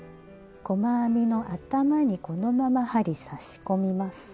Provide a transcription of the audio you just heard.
細編みの頭にこのまま針差し込みます。